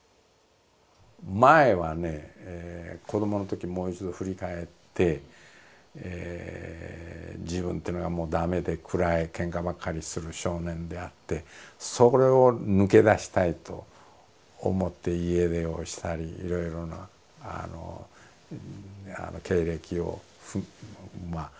前はね子どものときもう一度振り返って自分というのがもうダメで暗いケンカばっかりする少年であってそれを抜け出したいと思って家出をしたりいろいろな経歴をまあ迷いに迷って歩んでくるわけです。